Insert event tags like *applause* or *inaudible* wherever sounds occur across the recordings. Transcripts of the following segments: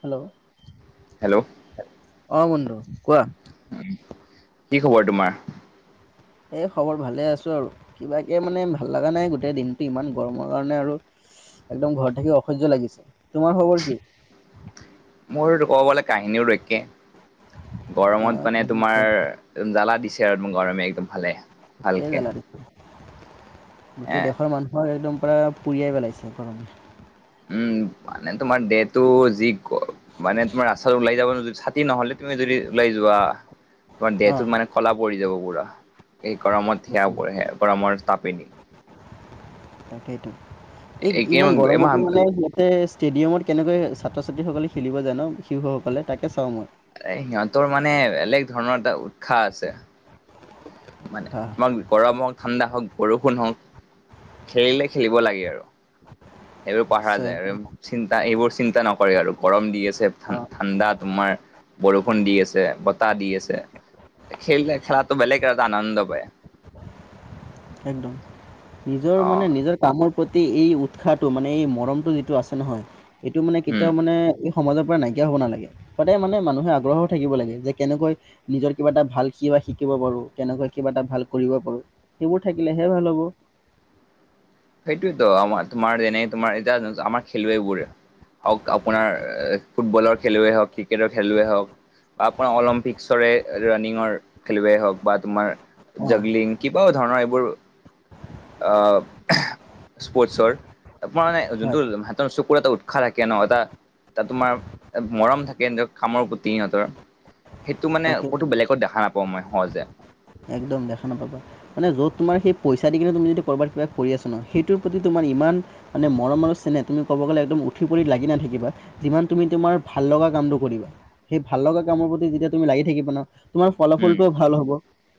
Hello. Hello অ বন্ধু কোৱা। কি খবৰ তোমাৰ? এই খবৰ ভালে আছোঁ আৰু, কিবাকে মানে ভাল লগা নাই, গোটেই দিনটো ইমান গৰমৰ কাৰণে আৰু একদম ঘৰত থাকি অসহ্য লাগিছে। তোমাৰ খবৰ কি? মোৰ ক'বলে কাহিনীও একে। অ গৰমত মানে তোমাৰ একম জ্বালা দিছে আৰু গৰমে একদম ভালে। গোটেই ভালকে। জ্বালা দিছে, এ গোটেই দেশৰ মানুহৰ একদম পৰা পুৰিয়াই পেলাইছে গৰম উম মানে তোমাৰ দেহটো যি মানে তোমাৰ ৰাস্তা ওলাই যাব নো ছাতি নহলে তুমি যদি ওলাই যোৱা তোমাৰ অ দেহটোত মানে কলা পৰি যাব পুৰা এই গৰমত সেয়া গৰমৰ তাপনি সেইটো এই ইমান গৰমতো মানে ইহতে ষ্টেডিয়ামৰ কেনেকৈ ছাত্ৰ ছাত্ৰীসকলে খেলিব জানো শিশুসকলে তাকে চাওঁ মই। সিহঁতৰ মানে বেলেগ ধৰণৰ এটা উৎসাহ আছে, মানে হা তোমাক গৰম ঠাণ্ডা হওক, বৰষুণ হওক খেলিলে খেলিব লাগে আৰু। সেইবোৰ পহাৰা যায় আৰু একদম চিন্তা এইবোৰ চিন্তা নকৰে আৰু। গৰম দি আছে, অ ঠাণ্ডা তোমাৰ বৰষুণ দি আছে, বতাহ দি আছে, খেল খেলাটো বেলেগ এটা আনন্দ পায়। একদম নিজৰ অ মানে নিজৰ কামৰ প্ৰতি এই উৎসাহটো মানে এই মৰমটো যিটো আছে নহয় এইটো মানে উম কেতিয়াও মানে এই সমাজত নাইকিয়া হ'ব নালাগে সদায় মানে মানুহে আগ্ৰহ হই থাকিব লাগে যে কেনেকৈ নিজৰ কিবা এটা ভাল কিবা শিকিব কিবা এটা ভাল কৰিব পাৰো সেইবোৰ থাকিলেহে ভাল হ'ব। সেইটোয়তো আমাৰ তোমাৰ যেনে তোমাৰ এতিয়া আমাৰ খেলুৱৈবোৰে হওক আপোনাৰ ফুটবলৰ খেলুৱেই হওক, ক্ৰিকেটৰ খেলুৱেই হওক, বা আপোনাৰ অলিম্পিকসৰে ৰানিঙৰ খেলুৱৈ হওক বা তোমাৰ অ', জগলিং কিবা ধৰণৰ এইবোৰ আহ স্পৰ্টচৰ আৰ মানে হয় যোনটো হাতৰ চকুৰ এটা উৎসাহ থাকে ন এটা তাত তোমাৰ মৰম থাকেৰ খামৰ প্ৰতি সিহঁতৰ সেইটো মানে তাকেইতো। ক'তো বেলেগত দেখা নাপাওঁ মই সহজে। একদম দেখা নাপাবা। মানে যত তোমাৰেই পইচা দি কিনে তুমি যদি ক'ৰবাত কিবা কৰি আছা ন সেইটোৰ প্ৰতি তোমাৰ ইমান মানে মৰম আৰু চেনেহ তুমি ক'ব গ'লে একদম উঠি পৰি লাগি নাথাকিবা যিমান তুমি তোমাৰ ভাল লগা কামটো কৰিবা। সেই ভাল লগা কামৰ প্ৰতি যেতিয়া তুমি লাগি থাকিবা ন তোমাৰ ফলাফল উম টোও ভাল হ'ব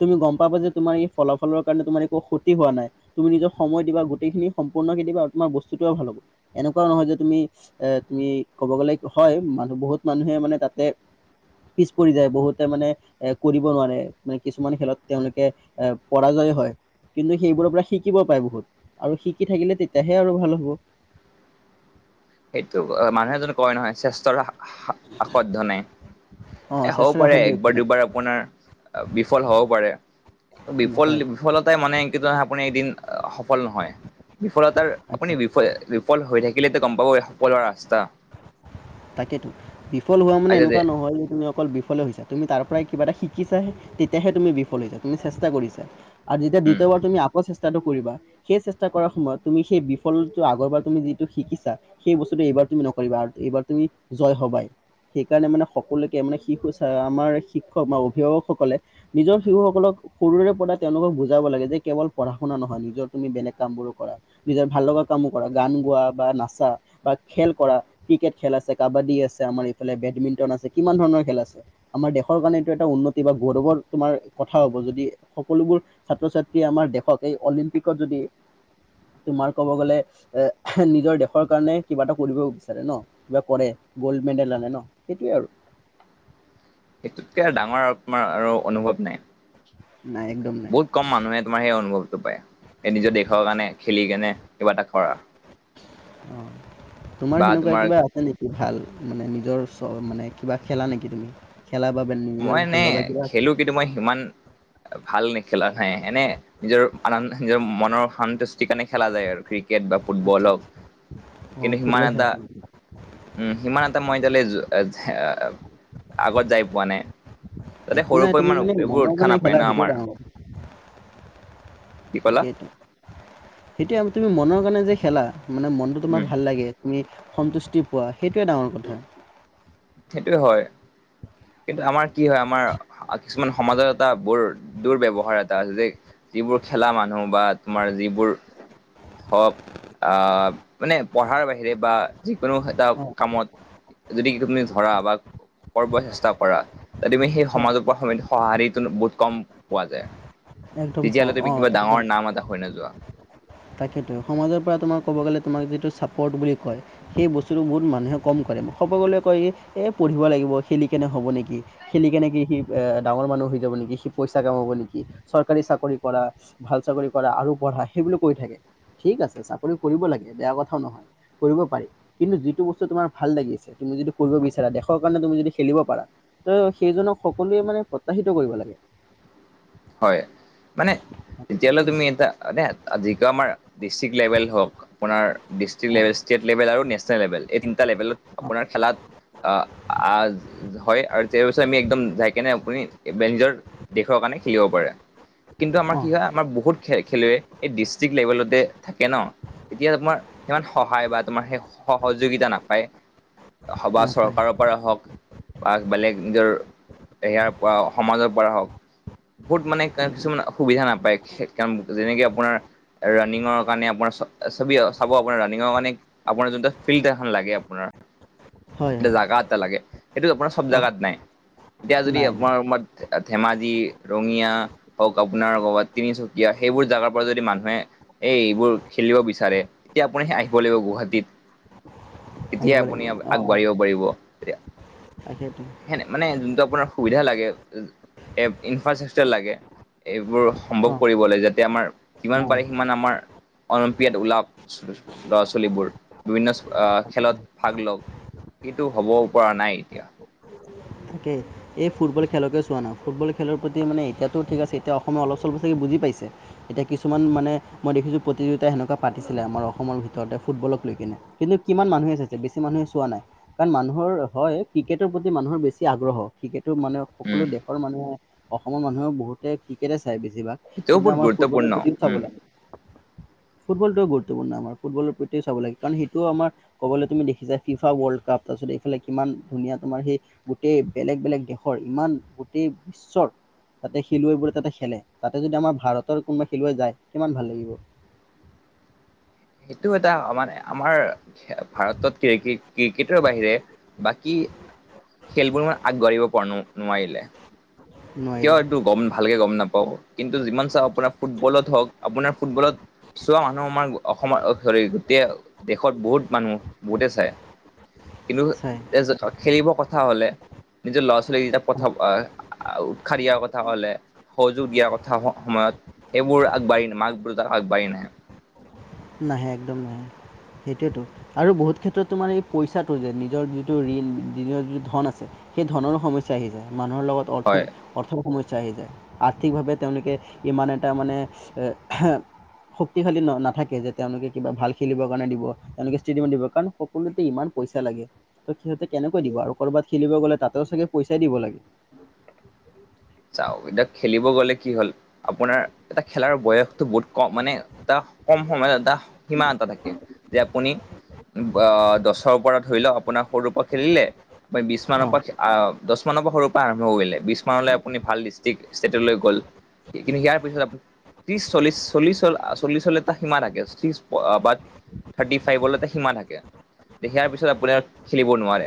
তুমি গম পাবা যে তোমাৰ এই ফলাফলৰ কাৰণে তোমাৰ একো ক্ষতি হোৱা নাই তুমি নিজক সময় দিবা গোটেইখিনি সম্পূৰ্ণ দিবা তোমাৰ বস্তুতও ভাল হ'ব এনেকুৱা নহয় যে তুমি এ তুমি ক'ব গ'লে হয় মানুহ বহুত বহুত মানুহে মানে তাতে পিছ পৰি যায় বহুতে মানে এ কৰিব নোৱাৰে। মানে কিছুমানে খেলত তেওঁলোকে এ পৰাজয় হয়। কিন্তু সেইবোৰৰ পৰা শিকিব পাই বহুত আৰু শিকি থাকিলে তেতিয়াহে আৰু ভাল হ'ব। *inaudible* সেইটো মানুহে এজন কয় নহয় চেষ্টাৰ সাদ্ধ নাই। অ এ হ'ব চেষ্টাৰ পাৰে অসাধ্য একো একবাৰ নাই দুবাৰ আপোনাৰ বিফল হব পাৰে, বিফল হয় বিফলতাই মানে কিন্তু আপুনি এদিন সফল নহয়। বিফলতাৰ আপুনি বিফ বিফল হৈ থাকিলেতো গম পাব সকলোৰে ৰাস্তা তাকেতো বিফল হোৱা মানে এনেকুৱা নহয় যে তুমি অকল বিফলে হৈছা। তুমি তাৰ পৰাই কিবা এটা শিকিছা তেতিয়াহে তুমি বিফল হৈছা তুমি চেষ্টা কৰিছা আৰু তেতিয়া উম দ্বিতীয়বাৰ তুমি আকৌ চেষ্টা চেষ্টাটো কৰিবা সেই চেষ্টা কৰাৰ সময়ত তুমি সেই বিফলটো আগৰ বাৰ তুমি যিটো শিকিছা সেই বস্তুটো এইবাৰ তুমি নকৰিবা এইবাৰ তুমি জয় হবাই। সেইকাৰণে মানে সকলোকে মানে শিশু আমাৰ শিক্ষক বা অভিভাৱক সকলে নিজৰ শিশুসকলক সৰুৰে পৰা তেওঁলোকক বুজাব লাগে যে কেৱল পঢ়া -শুনা নহয় নিজৰ তুমি বেলেগ কাম বোৰো কৰা নিজৰ ভাল লগা কামবোৰো কৰা। গান গোৱা বা নাচা বা খেল কৰা ক্ৰিকেট খেল খেল আছে কাবাডী আছে, আমাৰ ইফালে বেডমিন্টন আছে কিমান ধৰণৰ খেল আছে আমাৰ দেশৰ কাৰণে এইটো এটা উন্নত বা গৌৰৱৰ তোমাৰ কথা হ'ব যদি সকলোবোৰ ছাত্ৰ ছাত্ৰীয়ে আমাৰ দেশক এই অলিম্পিকত যদি উ *unintelligible* তোমাৰ ক'ব গলে এ নিজৰ দেশৰ কাৰণে কিবা এটা কৰিব বিচাৰে ন কিবা কৰে। গ'ল্ড মেডেল আনে ন সেইটোৱে আৰু। সেইটোতকে আৰু ডাঙৰ আৰু তোমাৰ আৰু অনুভৱ নাই। নাই একদম নাই বহুত ক'ম মানুহে তোমাৰ সেই অনুভৱ এই নিজৰ দেশৰ কাৰণে খেলি কেনে কিবা এটা কৰা। তোমাৰ সেনেকুৱা কিবা আছে নেকি ভাল? মানে নিজৰ চ মানে কিবা খেলা নেকি তুমি- খেলা বা বেন- নিজৰ মই ভাল নে লগা কিবা আছে খেলো কিন্তু মই সিমান ভাল নেখেলা। হয় এনে নিজৰ আন নিজৰ মনৰ সন্তুষ্টিৰ কাৰণে খেলা যায় আৰু ক্ৰিকেট বা আচ্ছা ফুটবলক হওক- অ কিন্তু সিমান ফুটবল এটা খেলা। উম সিমান এটা মই এতিয়া লে আগত যাই পোৱা নাই তাতে একো সৰুৰ নাই পৰা তুমি ইমান মানে এইবোৰ মনৰ উৎসাহ কাৰণে নাপায় ন খেলা সেইটোৱে আমাৰ ডাঙৰ কথা। কি ক'লা তাকেই সেইটোয়ে তুমি মনৰ কাৰণে যে খেলা- মানে মনটো তোমাৰ উম ভাল লাগে। তুমি সন্তুষ্টি পোৱা সেইটোৱে ডাঙৰ কথা। সেইটোয়ে হয় কিন্তু আমাৰ কি হয় আমাৰ কিছুমান সমাজৰ এটা বৰ দুব্যৱহাৰ এটা আছে যে যিবোৰ খেলা মানুহ বা তোমাৰ যিবোৰ হওক আহ মানে পঢ়াৰ বাহিৰে বা যিকোনো এটা অ কামত যদি কৰা বা কৰিব চেষ্টা কৰা তুমি সেই হয় সমাজৰ পৰা সঁহাৰি বহুত কম- পোৱা যায় একদম তেতিয়াহ'লে তুমি কিবা ডাঙৰ নাম এটা হৈ নাযোৱা। তাকেইেতো সমাজৰ পৰা তোমাৰ ক'ব গ'লে তোমাক যিটো। পৰ্ট বুলি কয় সেই বস্তুটো বহুত মানুহে কম কৰে সকলোৱে কয় এই পঢ়িব লাগিব খেলি কেনে- হব নেকি খেলিকেনে কি সি ডাঙৰ মানুহ হৈ যাব নেকি সি- পইচা কাম হব নেকি চৰকাৰী চাকৰি কৰা ভাল চাকৰি কৰা আৰু পঢ়া সেইবুলি কই থাকে। ঠিক আছে চাকৰি কৰিব লাগে বেয়া কথাও নহয় কৰিব পাৰি কিন্তু যিটো বস্তু তোমাৰ ভাল লাগি আছে। তুমি যিটো কৰিব বিচাৰা দেশৰ কাৰণে তুমি যদি খেলিব পাৰা ত সেইজনক সকলোৱে মানে প্ৰত্যহিত কৰিব লাগে। হয় মানে। মইতো তাকে তেতিয়াহলে তুমি এ ভাবো এে যিটো আমাৰ ডিষ্ট্ৰিক্ট লেভেল হওঁক আপোনাৰ ডষ্ট্ৰিক্ লেল- ষ্টেট লেভেল আৰু নেচনেল লেভেল এই তিনিটা লেভেলত আপোনাৰ খেলাত- অ হয় আৰু পিছত আমি একদম যাই পিনে আপুনি *unintelligible* কিয় পাৰে। কিন্তু আমাৰ অ অ কি হয় আমাৰ বহুত খ খেলুৱৈ এই ডিষ্ট্ৰিক্ট লেভেলতে থাকে। ন এতিয়া তোমাৰ সিমান সহায় বা তোমাৰ সেই সহযোগিতা নাপায়। সবা নাপায় চৰকাৰৰ পৰা হওক- বা বেলেগ নিজৰ ইয়াৰ পৰা সমাজৰ পৰা। হওক বহুত মানে লাগে। কিছুমান অসুবিধা নাপায় কাৰণ যেনেকে আপোনাৰ ৰানিঙৰ কাৰণে আপোনাৰ চ চাব আপোনাৰ ৰানিঙৰ কাৰণে আপোনাৰ যোনটো ফিল্ড এখন লাগে আপোনাৰ- হয় *inaudible* এয়া হয় জাগা এটা লাগে সেইটো আপোনাৰ চব অ জোগাত নাই এতিয়া যদি নাই নাই আপোনাৰ- ধেমাজি- ৰঙিয়া হওক আপোনাৰ কবাত তিনিচুকীয়া সেইবোৰ জাগাৰ পৰা যদি মানুহে এই এইবোৰ খেলিব বিচাৰে এতিয়া আপুনি আহিব লাগিব গুৱাহাটীত *unintelligible* তেতিয়াই আহিব আপুনি লাগিব অঁ অঁ আগবাঢ়িব পাৰিব। তেতিয়া তাকেইতো সেনে মানে যোনটো আপোনাৰ সুবিধা লাগে। এ ইনফ্ৰাষ্ট্ৰাকচাৰ লাগে এইবোৰ সম্ভৱ অঁ কৰিব লাগে যাতে আমাৰ যিমান নাই পাৰে সিমান আমাৰ। অলিম্পিয়াত ওলাওক ল'ৰা ছোৱালীবোৰ বিভিন্ন আহ খেলত ভাগ লওক- সেইটো হব পৰা নাই এতিয়া। তাকে এই ফুটবল খেলকে চোৱা নাই ফুটবল খেলৰ প্ৰতি মানে এয়াতো ঠিক আছে এতিয়া অসমে অলপ চলপ চাগে বুজি। এতিয়া কিছুমান মানে মই দেখিছোঁ প্ৰতিযোগিতা সেনেকুৱা পাতিছিলে আমাৰ অসমৰ ভিতৰতে ফুটবলক লৈ- কিন্তু আগ্ৰহ ক্ৰিকেতটো মানে সকলো উম দেশৰ মানুহে অসমৰ মানুহেও বহুতে ক্ৰিকেট চাই বেছিভাগ সেইটোও কিন্তু বহুত আমাৰ ফুটবলৰ গুৰুত্বপূৰ্ণ প্ৰতিও চাব উম লাগে। ফুটবলটোও গুৰুতপূৰ্ণ আমাৰ, ফুটবৰ প্ৰতিও চাব লাগে কাৰণ সেইটোও আমাৰ কবলৈ তুমি দেখিবা ফিফা ৱৰ্ল্ড কাপ তাৰপিছত এইফালে কিমান ধুনীয়া তোমাৰ সেই গোটেই বেলেগ বেলেগ দেশৰ ইমান গোটেই বিশ্বৰ তাতে খেলুৱৈবোৰে তাতে খেলে, তাতে যদি আমাৰ ভাৰতৰ কোনোবা খেলুৱৈ যায় কিমান ভাল লাগিব। *inaudible* এইটো এটা মানে আমাৰ ভাৰতত কি কিক কিক ক্ৰিকেটৰ বাহিৰে বাকী খেলবোৰ আগবাঢ়িব পৰা ন - নোৱাৰিলে। কিয় নোৱাৰিলে এইটো গম ভালকে গম নাপ ও কিন্তু যিমান চাও আপোনাৰ ফুটবলত হওক আপোনাৰ ফুটবলত চোৱা মানুহ আমাৰ অসমৰ *unintelligible* *unintelligible* গোটেই দেশত বহুত মানুহ বহুতে চাই। কিন্তু চাই *unintelligible* খেলিব কথা হ'লে নিজৰ ল'ৰা ছোৱালী যেতিয়া পঠা *unintelligible* শিক্ষা দিয়াৰ কথা কলে, সহযোগ দিয়াৰ কথা স - সময়ত এইবোৰ আগবাঢ়ি মাক দেউতাক আগবাঢ়ি নাহে। *inaudible* নাহে একদম নাহে। সেইটোৱেতো। সেই ধনৰো সমস্যা আহি যায় মানুহৰ লগত অৰ্থ হয় - অৰ্থৰ সমস্যা চা আহি যায়, আৰ্থিকভাৱে তেওঁলোকে ইমান এটা মানে *unintelligible* শক্তিশালী ন - নাথাকে যে তেওঁলোকে কিবা ভাল খেলিবৰ কাৰণে দিব, তেওঁলোকে ষ্টেডিয়ামত দিব কাৰণ সকলোতে ইমান পইচা লাগে, ত' তাতে কেনেকৈ দিব আৰু, কৰ'ৰবাত খেলিব গ'লে তাতেও চাগে পইচাই দিব লাগে। চাও এতিয়া খেলিব গ'লে কি হল আপোনাৰ এটা খেলাৰ বয়সটো বহুত কম, মানে এটা কম সময়ত এটা সীমা এটা থাকে। যে আপুনি অ দছৰ পৰা ধৰি লওক আপোনাৰ সৰুৰ পৰা খেলিলে, আপুনি বিছ মানৰ অঁ পৰা আ দছ মানৰ পৰা সৰুৰ পৰা আৰম্ভ কৰিলে, বিছ মানলে আপুনি ভাল ডিষ্ট্ৰিক্ট ষ্টেটলৈ গ'ল কিন্তু ইয়াৰ পিছত আপু ত্ৰিছ চল্লিছ, চল্লিছ হল। চল্লিছলে এটা সীমা থাকে *unintelligible* থাৰ্টি ফাইভলে এটা সীমা থাকে। সিয়াৰ পিছত আপুনি আৰু খেলিব নোৱাৰে।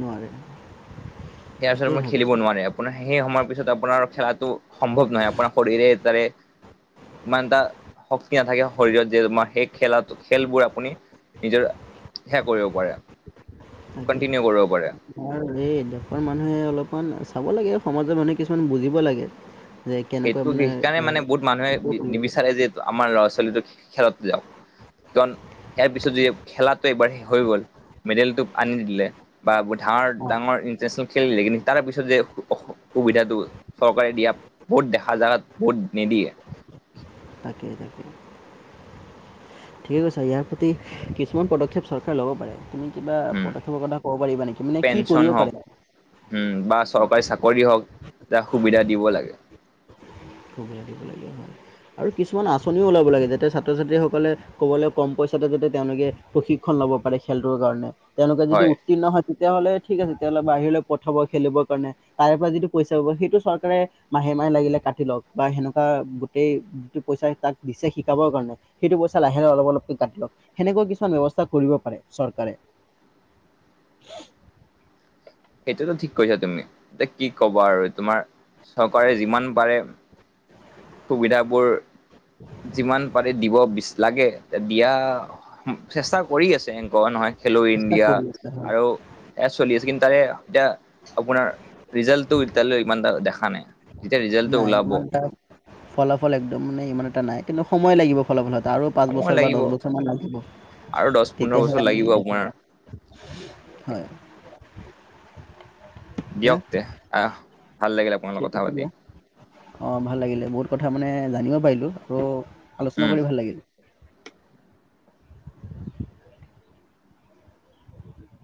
নোৱাৰে সিয়াৰ পিছত তাকেই আৰু খেলিব ভাবিছো নোৱাৰে। আপোনাৰ সেই সময়ৰ পিছত আপোনাৰ খেলাটো সম্ভৱ নহয়, আপোনাৰ শৰীৰে তাৰে ইমান এটা শক্তি নাথাকে শৰীৰত যে তোমাৰ সেই খেলা টো খেলবোৰ আপুনি নিজৰ সেয়া কৰিব পাৰে। তাকে কন্টিনিউ কৰিব পাৰে *unintelligible* দেশৰ মানুহে অলপমান চাব লাগে আও, সমাজৰ মানুহে কিছুমান বুজিব লাগে। যে কেনেকৈ সেইটো মানে সেইকাৰণে এ মানে বহুত মানুহে নিবিচাৰে যে আমাৰ ল'ৰা ছোৱালীটো খেলত যাওক। কন ইয়াৰ পিছত য খেলাটো নে এবাৰ হৈ গ'ল। মেডেলটো আনি দিলে বা ব ধাৰ অ ডাঙৰ ইণ্টাৰনেচনেল খেল দিলে কিন্তু তাৰে পিছত যে সুবিধাটো চৰকাৰে দিয়া বহুত দেখা জাগাত বহুত নিদিয়ে। তাকে তাকে ঠিকে কৈছা ইয়াৰ প্ৰতি কিছুমান পদক্ষেপ চৰকাৰে ল'ব পাৰে। কিবা পদক্ষেপৰ কথা কব পাৰিবা নেকি মানে কি কৰিব পাৰে? উম বা চৰকাৰী চাকৰি হওক যাক সুবিধা দিব লাগে। সুবিধা দিব লাগে, উম। আৰু কিছুমান আঁচনিও ওলাব লাগে, যাতে ছাত্ৰ ছাত্ৰীসকলে ক'বলে কম পইাতে যাতে তেওঁলোকে প্ৰশিক্ষণ ল'ব পাৰে খেলটোৰ কাৰণে তেওঁলোকে যদি হয় উত্তীৰ্ণ হয় তেতিয়াহলে ঠিক আছে তেতিয়াহ'লে বাহিৰলৈ পঠাব খেলিবৰ কাৰণে তাৰে পৰা যিটো পইচা পাব সেইটো চৰকাৰে মাহে মাহে লাগিলে কাটি লওক বা সেনেকুৱা গোটেই যিটো পইচা তাক দিছে শিকাবৰ কাৰণে সেইটো পইচা লাহে অলপ অলপকে কাটি লওক। সেনেকুৱা কিছুমান ব্যৱস্থা কৰিব ব পাৰে চৰকাৰে। *inaudible* সেইটোতো ঠিক কৈছা তুমি এতিয়া কি কবা আৰু তোমাৰ চৰকাৰে যিমান পাৰে সুবিধাবোৰ যিমান পাৰি দিব বিচ লাগে দিয়া চেষ্টা কৰি আছে এনকৱা নহয়। খেলো চেষ্টা ইণ্ডিয়া কৰি আছে হয় আৰু এয়া চলি আছে কিন্তু তাৰে এতিয়া আপোনাৰ ৰিজাল্টটো এতিয়ালৈ ইমান দেখা নাই। যেতিয়া ৰিজাল্টটো নাই ওলাব ইমান এটা ফলাফল একদম মানে ইমান এটা নাই, কিন্তু সময় লাগিব ফলাফলত। তাৰো পাঁচ সময় বছৰ বা লাগিব দহ বছৰমান লাগিব। আৰু দহ পোন্ধৰ তেতিয়াহে বছৰ আমি লাগিব দেখি আপোনাৰ পাম, হয় দিয়া দিয়ক তে আহ ভাল লাগিলে আপোনালত ঠিক কথা আছে পাতি। দিয়া অঁ ভাল লাগিলে বহুত কথা মানে জানিব পাৰিলোঁ আৰু আলোচনা উম কৰি ভাল লাগিল। *inaudible*